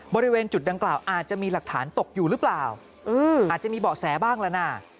บริเวณจุดดังกล่าวอาจจะมีหลักฐานตกอยู่หรือเปล่าอาจจะมีเบาะแสบ้างแล้วนะ